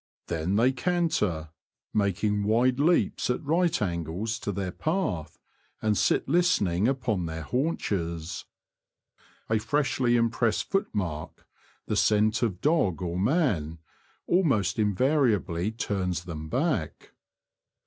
Then they canter, making wide leaps at right angles to their path, and sit listening upon their haunches. A freshly im pressed footmark, the scent of dog or man, almost invariably turns them back.